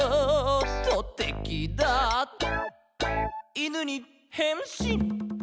「『いぬ』にへんしん」